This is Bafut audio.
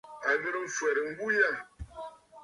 À ghɨ̀rə mfwɛ̀rə ŋgu yâ.